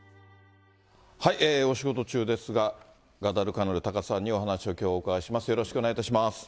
お仕事中ですが、ガダルカナル・タカさんにお話をきょう、お伺いします。